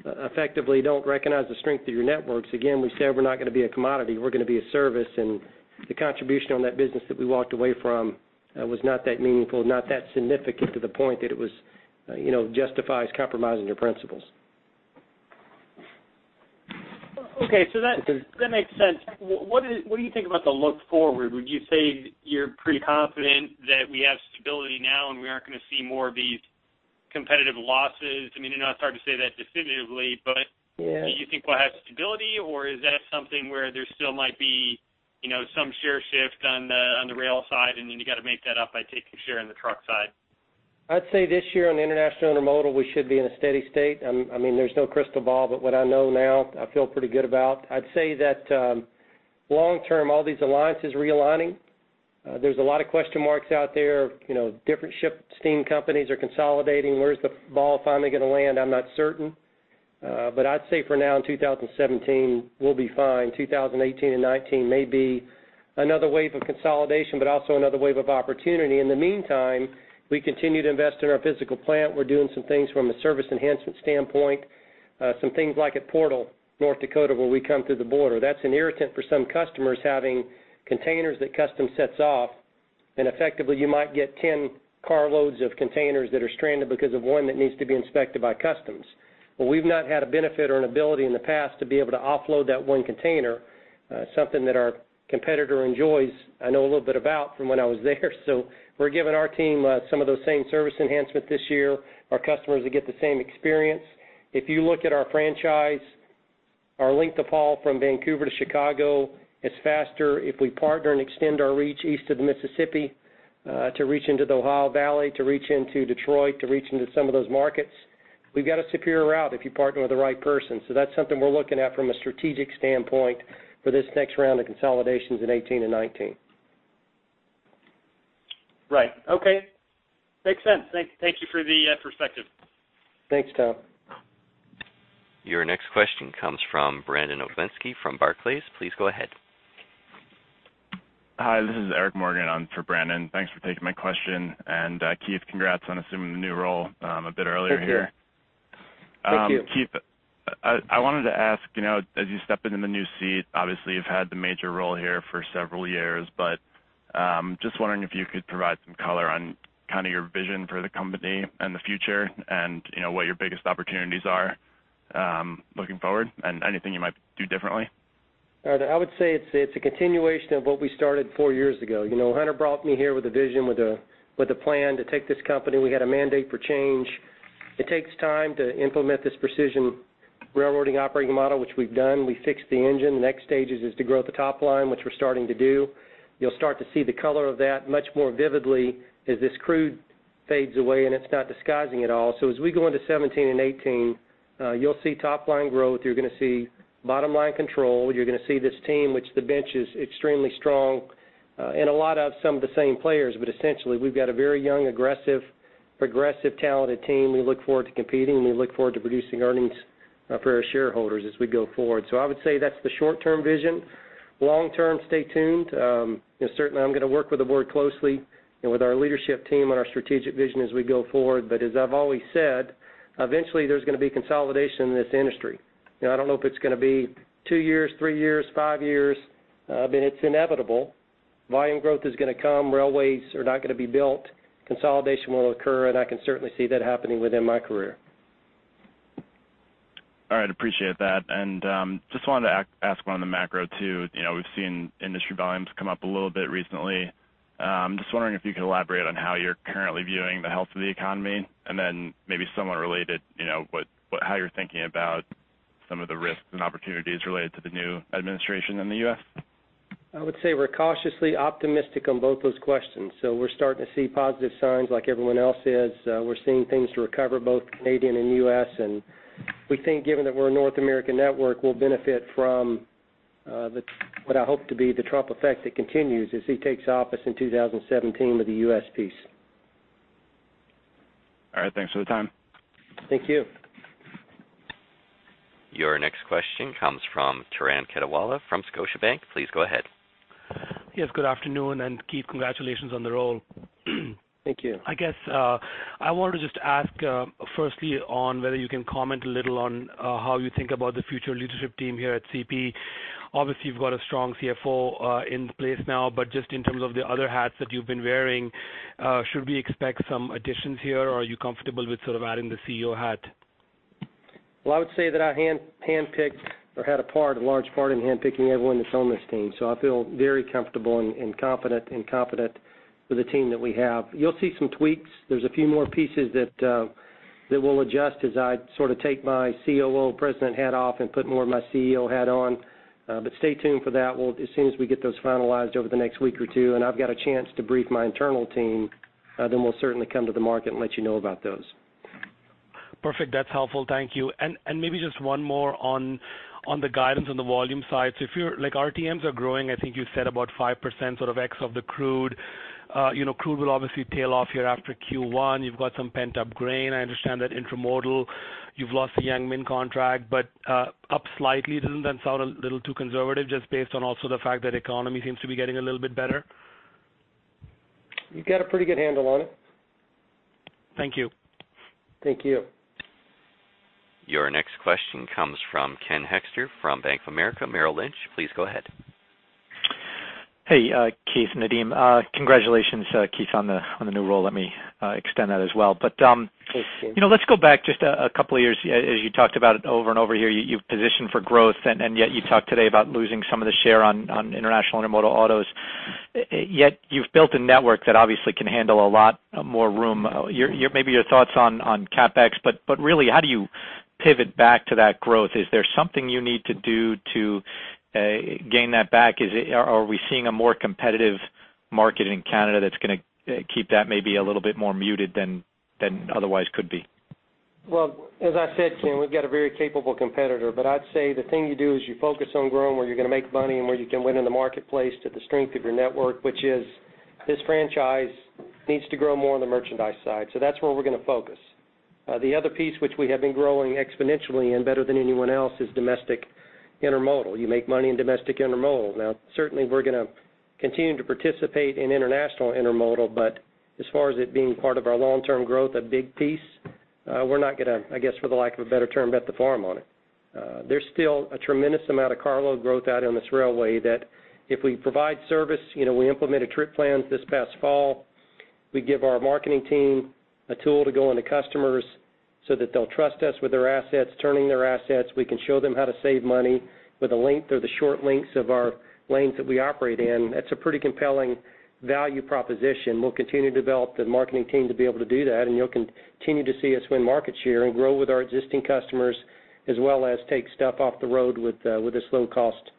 effectively don't recognize the strength of your networks, again, we said we're not going to be a commodity. We're going to be a service. And the contribution on that business that we walked away from was not that meaningful, not that significant to the point that it justifies compromising your principles. Okay. So that makes sense. What do you think about the look forward? Would you say you're pretty confident that we have stability now and we aren't going to see more of these competitive losses? I mean, it's not hard to say that definitively, but do you think we'll have stability, or is that something where there still might be some share shift on the rail side and then you got to make that up by taking share in the truck side? I'd say this year on the international intermodal, we should be in a steady state. I mean, there's no crystal ball, but what I know now, I feel pretty good about. I'd say that long term, all these alliances realigning. There's a lot of question marks out there. Different steamship companies are consolidating. Where's the ball finally going to land? I'm not certain. But I'd say for now in 2017, we'll be fine. 2018 and 2019 may be another wave of consolidation but also another wave of opportunity. In the meantime, we continue to invest in our physical plant. We're doing some things from a service enhancement standpoint, some things like at Portal, North Dakota, where we come through the border. That's an irritant for some customers having containers that customs sets off. Effectively, you might get 10 car loads of containers that are stranded because of one that needs to be inspected by customs. Well, we've not had a benefit or an ability in the past to be able to offload that one container, something that our competitor enjoys. I know a little bit about from when I was there. We're giving our team some of those same service enhancements this year. Our customers will get the same experience. If you look at our franchise, our length of haul from Vancouver to Chicago is faster if we partner and extend our reach east of the Mississippi to reach into the Ohio Valley, to reach into Detroit, to reach into some of those markets. We've got a superior route if you partner with the right person. That's something we're looking at from a strategic standpoint for this next round of consolidations in 2018 and 2019. Right. Okay. Makes sense. Thank you for the perspective. Thanks, Tom. Your next question comes from Brandon Oglenski from Barclays. Please go ahead. Hi. This is Eric Morgan. I'm for Brandon. Thanks for taking my question. And Keith, congrats on assuming the new role a bit earlier here. Thank you. Keith, I wanted to ask, as you step into the new seat, obviously, you've had the major role here for several years, but just wondering if you could provide some color on kind of your vision for the company and the future and what your biggest opportunities are looking forward and anything you might do differently? I would say it's a continuation of what we started four years ago. Hunter brought me here with a vision, with a plan to take this company. We had a mandate for change. It takes time to implement this precision railroading operating model, which we've done. We fixed the engine. The next stages is to grow at the top line, which we're starting to do. You'll start to see the color of that much more vividly as this crude fades away, and it's not disguising at all. So as we go into 2017 and 2018, you'll see top line growth. You're going to see bottom line control. You're going to see this team, which the bench is extremely strong and a lot of some of the same players. But essentially, we've got a very young, aggressive, progressive, talented team. We look forward to competing. We look forward to producing earnings for our shareholders as we go forward. So I would say that's the short-term vision. Long term, stay tuned. Certainly, I'm going to work with the board closely with our leadership team on our strategic vision as we go forward. But as I've always said, eventually, there's going to be consolidation in this industry. I don't know if it's going to be 2 years, 3 years, 5 years, but it's inevitable. Volume growth is going to come. Railways are not going to be built. Consolidation will occur, and I can certainly see that happening within my career. All right. Appreciate that. And just wanted to ask one on the macro too. We've seen industry volumes come up a little bit recently. I'm just wondering if you could elaborate on how you're currently viewing the health of the economy and then maybe somewhat related how you're thinking about some of the risks and opportunities related to the new administration in the U.S. I would say we're cautiously optimistic on both those questions. So we're starting to see positive signs like everyone else is. We're seeing things to recover, both Canadian and U.S. We think, given that we're a North American network, we'll benefit from what I hope to be the Trump effect that continues as he takes office in 2017 with the U.S. piece. All right. Thanks for the time. Thank you. Your next question comes from Turan Quettawala from Scotiabank. Please go ahead. Yes. Good afternoon. Keith, congratulations on the role. Thank you. I guess I wanted to just ask, firstly, on whether you can comment a little on how you think about the future leadership team here at CP. Obviously, you've got a strong CFO in place now, but just in terms of the other hats that you've been wearing, should we expect some additions here, or are you comfortable with sort of adding the CEO hat? Well, I would say that I handpicked or had a large part in handpicking everyone that's on this team. So I feel very comfortable and confident with the team that we have. You'll see some tweaks. There's a few more pieces that will adjust as I sort of take my COO president hat off and put more of my CEO hat on. But stay tuned for that as soon as we get those finalized over the next week or two. And I've got a chance to brief my internal team. Then we'll certainly come to the market and let you know about those. Perfect. That's helpful. Thank you. And maybe just one more on the guidance on the volume side. So our TMs are growing. I think you said about 5% sort of X of the crude. Crude will obviously tail off here after Q1. You've got some pent-up grain. I understand that intermodal, you've lost the Yang Ming contract, but up slightly. Doesn't that sound a little too conservative just based on also the fact that the economy seems to be getting a little bit better? You've got a pretty good handle on it. Thank you. Thank you. Your next question comes from Ken Hoexter from Bank of America Merrill Lynch. Please go ahead. Hey, Keith and Nadeem. Congratulations, Keith, on the new role. Let me extend that as well. But let's go back just a couple of years. As you talked about it over and over here, you've positioned for growth, and yet you talked today about losing some of the share on international intermodal autos. Yet you've built a network that obviously can handle a lot more room. Maybe your thoughts on CapEx, but really, how do you pivot back to that growth? Is there something you need to do to gain that back? Are we seeing a more competitive market in Canada that's going to keep that maybe a little bit more muted than otherwise could be? Well, as I said, Ken, we've got a very capable competitor. But I'd say the thing you do is you focus on growing where you're going to make money and where you can win in the marketplace to the strength of your network, which is this franchise needs to grow more on the merchandise side. So that's where we're going to focus. The other piece, which we have been growing exponentially and better than anyone else, is domestic intermodal. You make money in domestic intermodal. Now, certainly, we're going to continue to participate in international intermodal, but as far as it being part of our long-term growth, a big piece, we're not going to, I guess, for the lack of a better term, bet the farm on it. There's still a tremendous amount of carload growth out on this railway that if we provide service, we implemented trip plans this past fall. We give our marketing team a tool to go into customers so that they'll trust us with their assets, turning their assets. We can show them how to save money with the length or the short lengths of our lanes that we operate in. That's a pretty compelling value proposition. We'll continue to develop the marketing team to be able to do that, and you'll continue to see us win market share and grow with our existing customers as well as take stuff off the road with this low-cost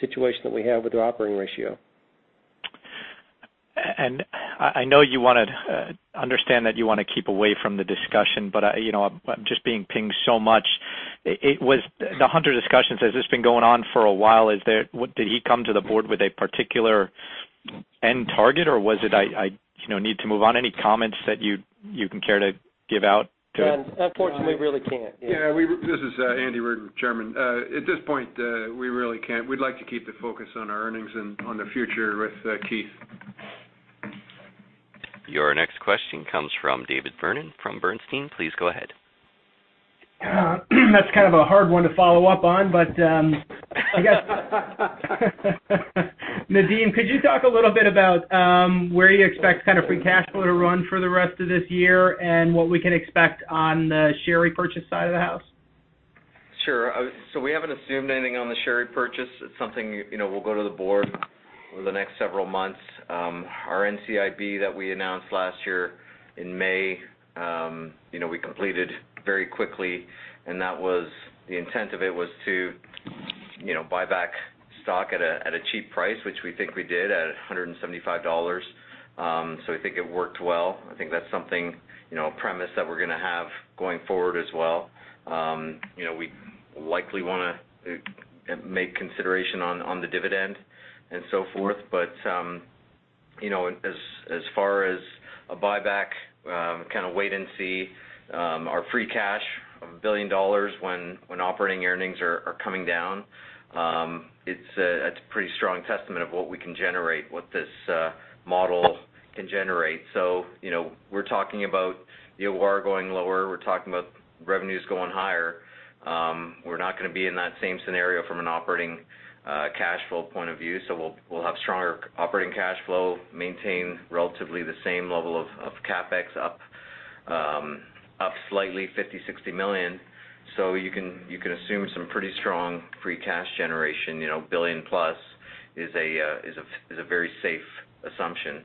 situation that we have with our operating ratio. I know you want to understand that you want to keep away from the discussion, but I'm just being pinged so much. The Hunter discussion says, "This has been going on for a while." Did he come to the board with a particular end target, or was it, "I need to move on"? Any comments that you can care to give out to? Unfortunately, we really can't. Yeah. This is Andrew Reardon, Chairman. At this point, we really can't. We'd like to keep the focus on our earnings and on the future with Keith. Your next question comes from David Vernon from Bernstein. Please go ahead. That's kind of a hard one to follow up on, but I guess Nadeem, could you talk a little bit about where you expect kind of free cash flow to run for the rest of this year and what we can expect on the share repurchase side of the house? Sure. So we haven't assumed anything on the share repurchase. It's something we'll go to the board over the next several months. Our NCIB that we announced last year in May, we completed very quickly, and the intent of it was to buy back stock at a cheap price, which we think we did at $175. So we think it worked well. I think that's a premise that we're going to have going forward as well. We likely want to make consideration on the dividend and so forth. But as far as a buyback kind of wait-and-see, our free cash of $1 billion when operating earnings are coming down, it's a pretty strong testament of what we can generate, what this model can generate. So we're talking about the OR going lower. We're talking about revenues going higher. We're not going to be in that same scenario from an operating cash flow point of view. So we'll have stronger operating cash flow, maintain relatively the same level of CapEx up slightly, $50-$60 million. So you can assume some pretty strong free cash generation. $1 billion-plus is a very safe assumption.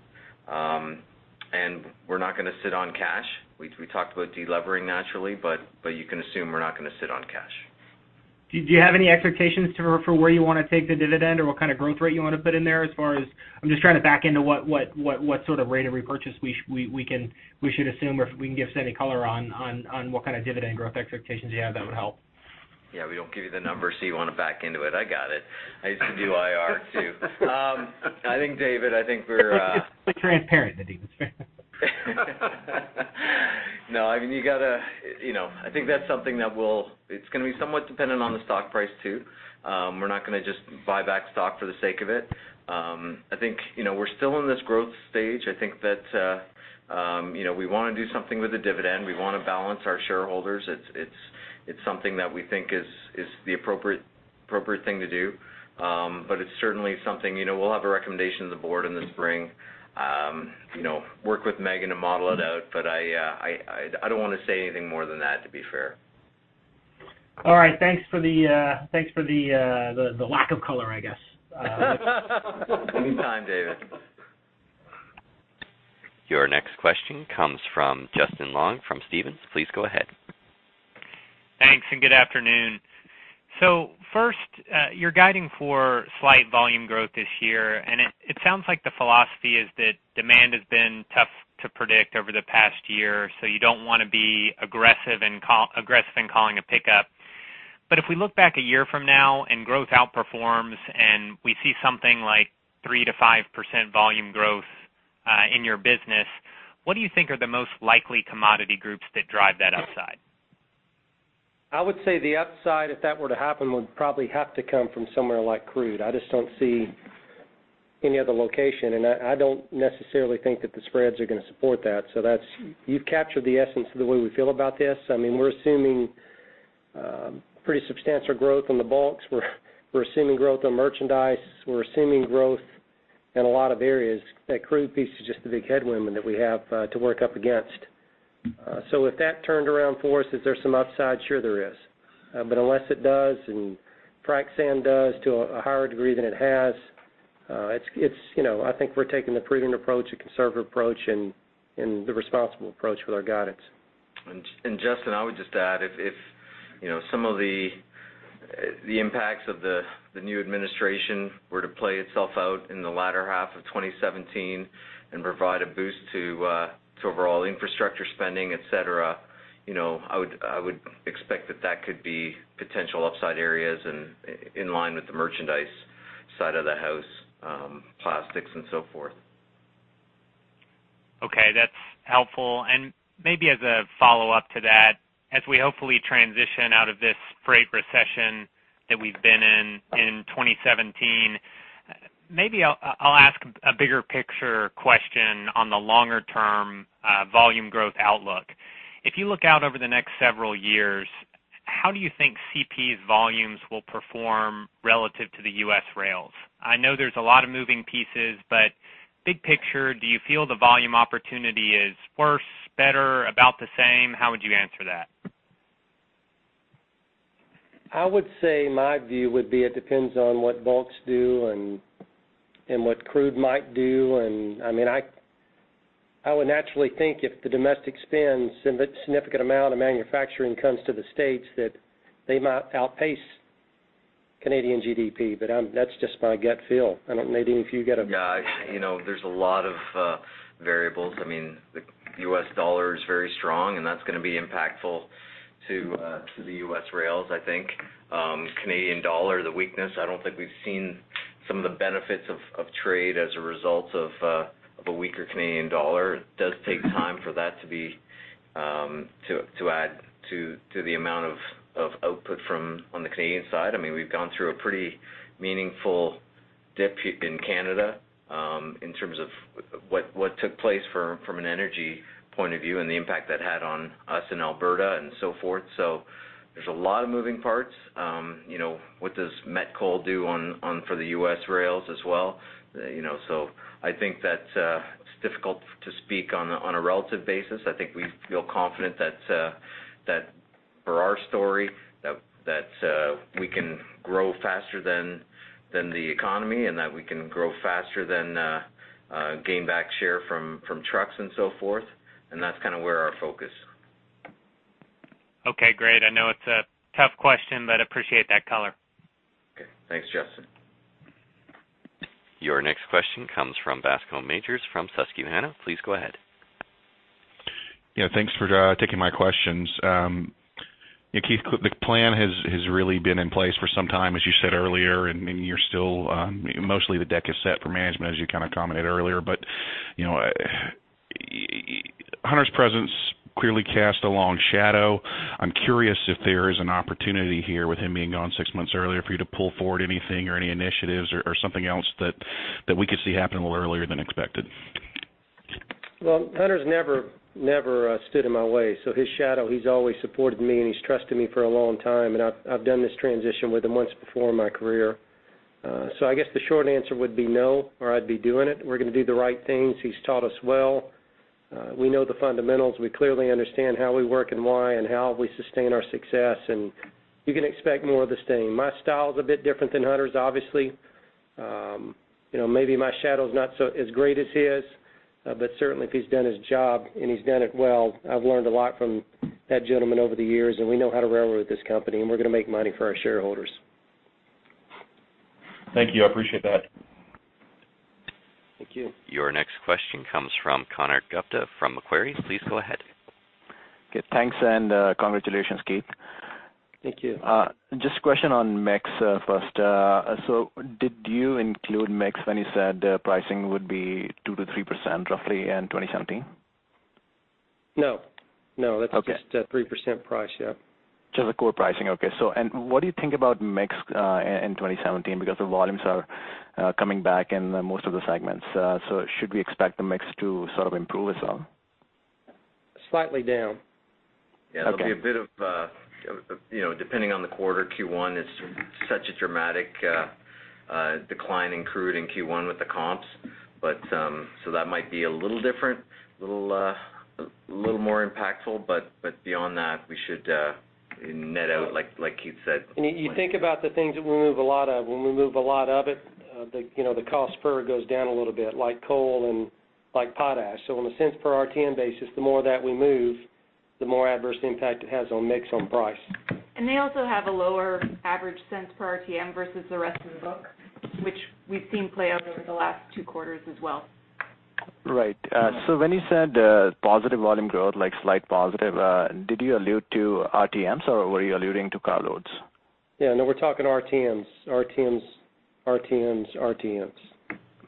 And we're not going to sit on cash. We talked about delevering, naturally, but you can assume we're not going to sit on cash. Do you have any expectations for where you want to take the dividend or what kind of growth rate you want to put in there as far as I'm just trying to back into what sort of rate of repurchase we should assume or if we can give us any color on what kind of dividend growth expectations you have? That would help. Yeah. We don't give you the numbers, so you want to back into it. I got it. I used to do IR too. I think, David, I think we're. It's fully transparent, Nadeem. It's fair. No. I mean, you got to. I think that's something that we'll—it's going to be somewhat dependent on the stock price too. We're not going to just buy back stock for the sake of it. I think we're still in this growth stage. I think that we want to do something with the dividend. We want to balance our shareholders. It's something that we think is the appropriate thing to do. But it's certainly something we'll have a recommendation to the board in the spring. Work with Megan to model it out, but I don't want to say anything more than that, to be fair. All right. Thanks for the lack of color, I guess. Anytime, David. Your next question comes from Justin Long from Stephens. Please go ahead. Thanks and good afternoon. So first, you're guiding for slight volume growth this year, and it sounds like the philosophy is that demand has been tough to predict over the past year, so you don't want to be aggressive in calling a pickup. But if we look back a year from now and growth outperforms and we see something like 3%-5% volume growth in your business, what do you think are the most likely commodity groups that drive that upside? I would say the upside, if that were to happen, would probably have to come from somewhere like crude. I just don't see any other location. And I don't necessarily think that the spreads are going to support that. So you've captured the essence of the way we feel about this. I mean, we're assuming pretty substantial growth on the bulks. We're assuming growth on merchandise. We're assuming growth in a lot of areas. That crude piece is just the big headwind that we have to work up against. So if that turned around for us, is there some upside? Sure, there is. But unless it does and frac sand does to a higher degree than it has, I think we're taking the prudent approach, a conservative approach, and the responsible approach with our guidance. Justin, I would just add, if some of the impacts of the new administration were to play itself out in the latter half of 2017 and provide a boost to overall infrastructure spending, etc., I would expect that that could be potential upside areas in line with the merchandise side of the house, plastics, and so forth. Okay. That's helpful. And maybe as a follow-up to that, as we hopefully transition out of this great recession that we've been in in 2017, maybe I'll ask a bigger picture question on the longer-term volume growth outlook. If you look out over the next several years, how do you think CP's volumes will perform relative to the U.S. rails? I know there's a lot of moving pieces, but big picture, do you feel the volume opportunity is worse, better, about the same? How would you answer that? I would say my view would be it depends on what bulks do and what crude might do. And I mean, I would naturally think if the domestic spend, a significant amount of manufacturing comes to the States, that they might outpace Canadian GDP. But that's just my gut feel. I don't, Nadeem, if you got a. No. There's a lot of variables. I mean, the U.S. dollar is very strong, and that's going to be impactful to the U.S. rails, I think. Canadian dollar, the weakness, I don't think we've seen some of the benefits of trade as a result of a weaker Canadian dollar. It does take time for that to add to the amount of output on the Canadian side. I mean, we've gone through a pretty meaningful dip in Canada in terms of what took place from an energy point of view and the impact that had on us in Alberta and so forth. So there's a lot of moving parts. What does met coal do for the U.S. rails as well? So I think that it's difficult to speak on a relative basis. I think we feel confident that for our story, that we can grow faster than the economy and that we can grow faster than gain back share from trucks and so forth. That's kind of where our focus is. Okay. Great. I know it's a tough question, but appreciate that color. Okay. Thanks, Justin. Your next question comes from Bascome Majors from Susquehanna. Please go ahead. Yeah. Thanks for taking my questions. Keith, the plan has really been in place for some time, as you said earlier, and you're still mostly the deck is set for management, as you kind of commented earlier. But Hunter's presence clearly cast a long shadow. I'm curious if there is an opportunity here with him being gone six months earlier for you to pull forward anything or any initiatives or something else that we could see happen a little earlier than expected. Well, Hunter's never stood in my way. So his shadow, he's always supported me, and he's trusted me for a long time. And I've done this transition with him once before in my career. So I guess the short answer would be no, or I'd be doing it. We're going to do the right things. He's taught us well. We know the fundamentals. We clearly understand how we work and why and how we sustain our success. And you can expect more of the same. My style's a bit different than Hunter's, obviously. Maybe my shadow's not as great as his, but certainly, if he's done his job and he's done it well, I've learned a lot from that gentleman over the years, and we know how to railroad this company, and we're going to make money for our shareholders. Thank you. I appreciate that. Thank you. Your next question comes from Konark Gupta from Macquarie. Please go ahead. Good. Thanks and congratulations, Keith. Thank you. Just a question on MEX first. So did you include MEX when you said pricing would be 2%-3%, roughly, in 2017? No. No. That's just a 3% price. Yeah. Just the core pricing. Okay. And what do you think about MEX in 2017 because the volumes are coming back in most of the segments? So should we expect the MEX to sort of improve as well? Slightly down. Yeah. There'll be a bit of depending on the quarter, Q1, it's such a dramatic decline in crude in Q1 with the comps. So that might be a little different, a little more impactful. But beyond that, we should net out, like Keith said. You think about the things that we move a lot of. When we move a lot of it, the cost per goes down a little bit, like coal and like potash. On a cents-per-RTM basis, the more that we move, the more adverse impact it has on mix on price. They also have a lower average cents-per-RTM versus the rest of the book, which we've seen play out over the last two quarters as well. Right. So when you said positive volume growth, like slight positive, did you allude to RTMs, or were you alluding to car loads? Yeah. No. We're talking RTMs, RTMs, RTMs, RTMs.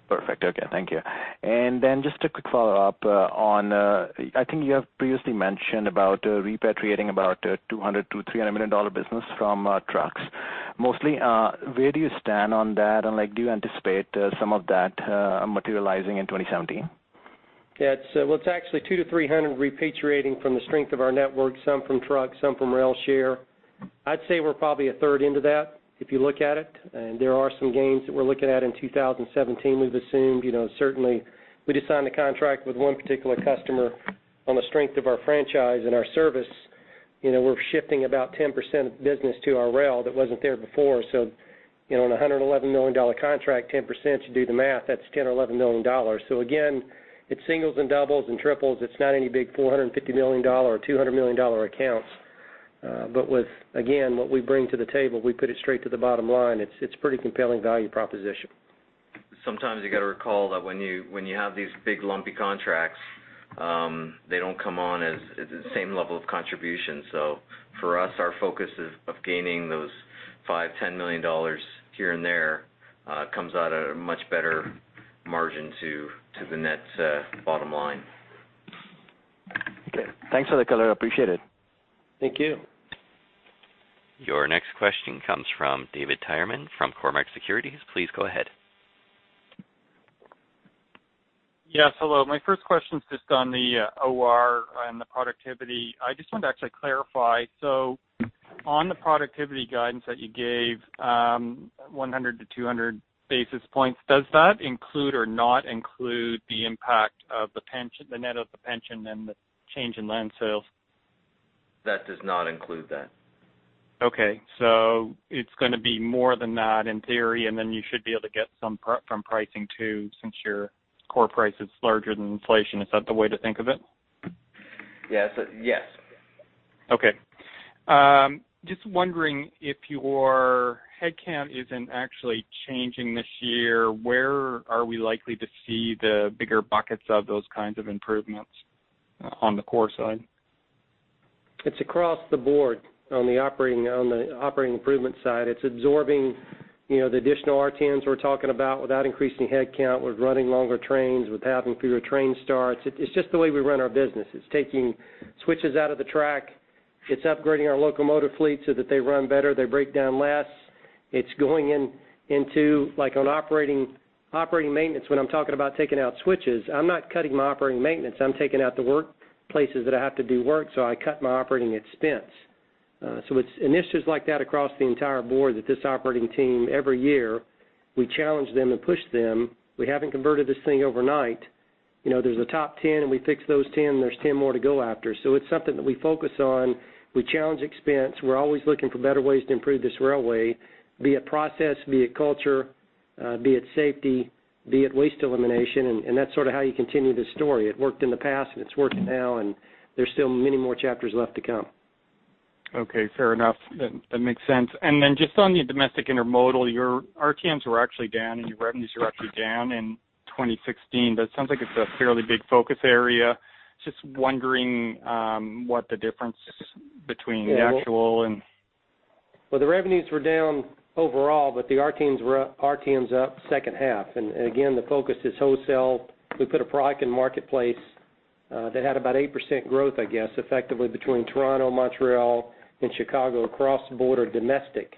Perfect. Okay. Thank you. Then just a quick follow-up on I think you have previously mentioned about repatriating about a $200 million-$300 million business from trucks, mostly. Where do you stand on that, and do you anticipate some of that materializing in 2017? Yeah. Well, it's actually 200-300 repatriating from the strength of our network, some from trucks, some from rail share. I'd say we're probably a third into that if you look at it. And there are some gains that we're looking at in 2017, we've assumed. Certainly, we just signed a contract with one particular customer on the strength of our franchise and our service. We're shifting about 10% of the business to our rail that wasn't there before. So on a $111 million contract, 10%, you do the math, that's $10 million or $11 million. So again, it singles and doubles and triples. It's not any big $450 million or $200 million accounts. But again, what we bring to the table, we put it straight to the bottom line. It's a pretty compelling value proposition. Sometimes you got to recall that when you have these big, lumpy contracts, they don't come on as the same level of contribution. So for us, our focus of gaining those $5 million, $10 million here and there comes out at a much better margin to the net bottom line. Okay. Thanks for the color. Appreciate it. Thank you. Your next question comes from David Tyerman from Cormark Securities. Please go ahead. Yes. Hello. My first question's just on the OR and the productivity. I just wanted to actually clarify. So on the productivity guidance that you gave, 100-200 basis points, does that include or not include the impact of the net of the pension and the change in land sales? That does not include that. Okay. So it's going to be more than that in theory, and then you should be able to get some from pricing too since your core price is larger than inflation. Is that the way to think of it? Yes. Yes. Okay. Just wondering, if your headcount isn't actually changing this year, where are we likely to see the bigger buckets of those kinds of improvements on the core side? It's across the board on the operating improvement side. It's absorbing the additional RTMs we're talking about without increasing headcount, with running longer trains, with having fewer train starts. It's just the way we run our business. It's taking switches out of the track. It's upgrading our locomotive fleet so that they run better. They break down less. It's going into like on operating maintenance, when I'm talking about taking out switches, I'm not cutting my operating maintenance. I'm taking out the workplaces that I have to do work, so I cut my operating expense. So it's initiatives like that across the entire board that this operating team, every year, we challenge them and push them. We haven't converted this thing overnight. There's a top 10, and we fix those 10, and there's 10 more to go after. So it's something that we focus on. We challenge expense. We're always looking for better ways to improve this railway, be it process, be it culture, be it safety, be it waste elimination. That's sort of how you continue this story. It worked in the past, and it's working now, and there's still many more chapters left to come. Okay. Fair enough. That makes sense. And then just on the domestic intermodal, your RTMs were actually down, and your revenues were actually down in 2016. That sounds like it's a fairly big focus area. Just wondering what the difference is between the actual and. Well, the revenues were down overall, but the RTMs were up second half. And again, the focus is wholesale. We put a product in marketplace that had about 8% growth, I guess, effectively between Toronto, Montreal, and Chicago, across the border, domestic,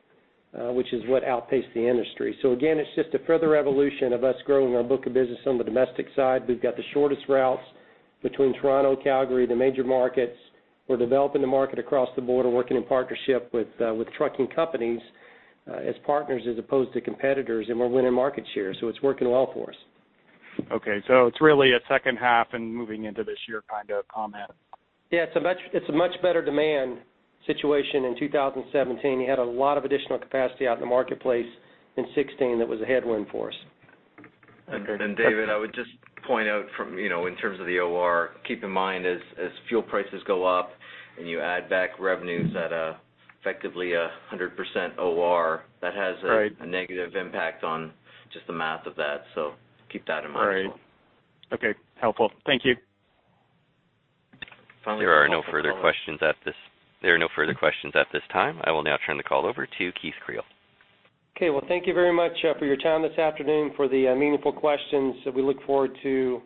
which is what outpaced the industry. So again, it's just a further evolution of us growing our book of business on the domestic side. We've got the shortest routes between Toronto, Calgary, the major markets. We're developing the market across the border, working in partnership with trucking companies as partners as opposed to competitors, and we're winning market share. So it's working well for us. Okay. It's really a second half and moving into this year kind of comment. Yeah. It's a much better demand situation in 2017. You had a lot of additional capacity out in the marketplace in 2016 that was a headwind for us. David, I would just point out in terms of the OR, keep in mind as fuel prices go up and you add back revenues at effectively 100% OR, that has a negative impact on just the math of that. Keep that in mind as well. Right. Okay. Helpful. Thank you. Finally, there are no further questions at this time. I will now turn the call over to Keith Creel. Okay. Well, thank you very much for your time this afternoon, for the meaningful questions. We look forward to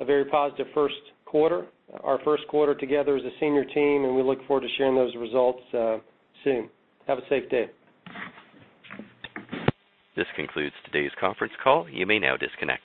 a very positive first quarter. Our first quarter together as a senior team, and we look forward to sharing those results soon. Have a safe day. This concludes today's conference call. You may now disconnect.